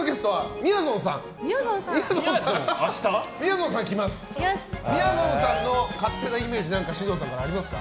みやぞんさんの勝手なイメージ獅童さん、ありますか？